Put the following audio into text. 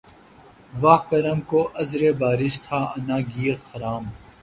واں کرم کو عذرِ بارش تھا عناں گیرِ خرام